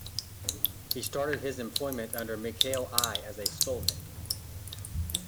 He started his employment under Mikhail I as a stolnik.